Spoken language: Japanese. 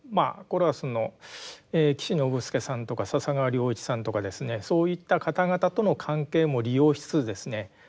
これはその岸信介さんとか笹川良一さんとかですねそういった方々との関係も利用しつつですね